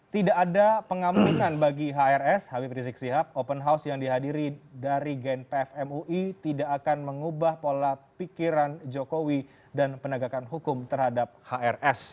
tidak ada pengamunan bagi hrs habib rizik sihab open house yang dihadiri dari gnpf mui tidak akan mengubah pola pikiran jokowi dan penegakan hukum terhadap hrs